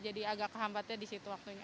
jadi agak kehambatnya di situ waktunya